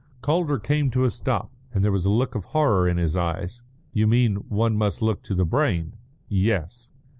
Calder came to a stop, and there was a look of horror in his eyes. "You mean one must look to the brain?" "Yes."